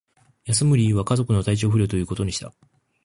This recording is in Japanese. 休む理由は、家族の体調不良ということにした